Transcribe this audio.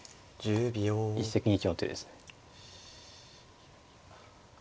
一石二鳥の手です。